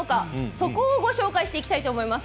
そこをご紹介していこうと思います。